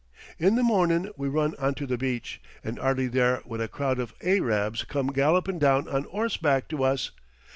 In the mornin' we run onto the beach, and 'ardly there when a crowd of Ayrabs come gallopin' down on 'orseback to us.